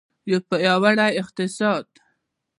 یو پیاوړی اقتصاد.